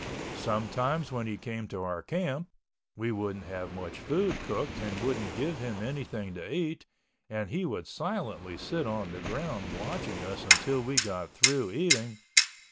Sometimes when he came to our camp—we wouldn't have much food cooked and wouldn't give him anything to eat, and he would silently sit on the ground watching us until we got through eating.